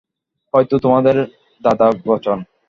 হয়তো তোমার দাদার বচন।